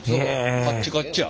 カッチカッチや。